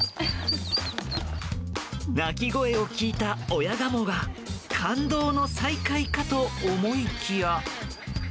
鳴き声を聞いた親ガモが感動の再会かと思いきや。